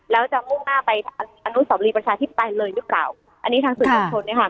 แล้วจะมุ่งหน้าไปอนุสาวรีประชาธิปไตยเลยหรือเปล่าอันนี้ทางสื่อมวลชนเนี่ยค่ะ